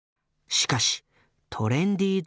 しかしトレンディ